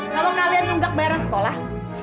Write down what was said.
kalau kalian nggak bayaran sekolah